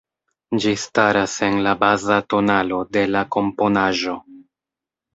Ĝi staras en la baza tonalo de la komponaĵo.